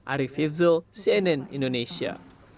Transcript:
arief iwzul cnn indonesia